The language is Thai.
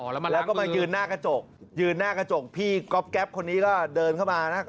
แล้วก็มายืนหน้ากระจกยืนหน้ากระจกพี่ก๊อบแก๊ปคนนี้ก็เดินเข้ามานะ